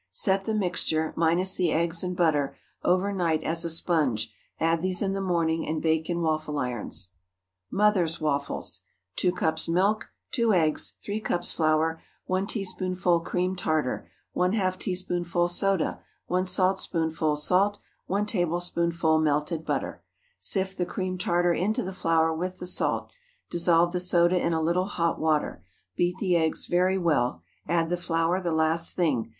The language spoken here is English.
Set the mixture—minus the eggs and butter—over night as a sponge; add these in the morning, and bake in waffle irons. "MOTHER'S" WAFFLES. ✠ 2 cups milk. 2 eggs. 3 cups flour. 1 teaspoonful cream tartar. ½ teaspoonful soda. 1 saltspoonful salt. 1 tablespoonful melted butter. Sift the cream tartar into the flour with the salt. Dissolve the soda in a little hot water. Beat the eggs very well. Add the flour the last thing.